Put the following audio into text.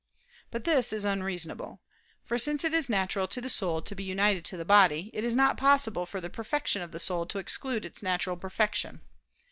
But this is unreasonable. For since it is natural to the soul to be united to the body; it is not possible for the perfection of the soul to exclude its natural perfection.